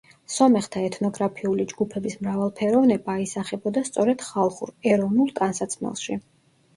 სომეხთა ეთნოგრაფიული ჯგუფების მრავალფეროვნება აისახებოდა სწორედ ხალხურ, ეროვნულ ტანსაცმელში.